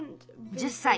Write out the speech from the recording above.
１０歳。